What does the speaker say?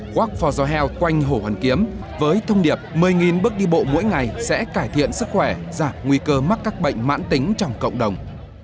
walk for the health quanh hồ hoàn kiếm với thông điệp một mươi bước đi bộ mỗi ngày sẽ cải thiện sức khỏe giảm nguy cơ mắc các bệnh mãn tính trong cộng đồng